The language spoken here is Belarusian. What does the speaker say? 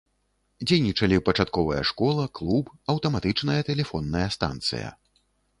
Дзейнічалі пачатковая школа, клуб, аўтаматычная тэлефонная станцыя.